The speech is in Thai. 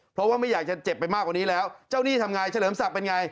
เพราะว่าไม่อยากจะเจ็บไปมากกว่านี้แล้วเจ้าหนี้ทำไงเฉลิมศักดิ์เป็นไง